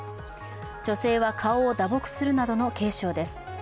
女性は顔を打撲するなどの軽傷です。